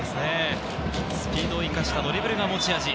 スピードを生かしたドリブルが持ち味。